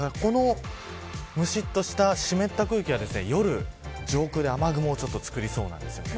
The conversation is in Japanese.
むしっとした湿った空気が夜、上空で雨雲を作りそうなんです。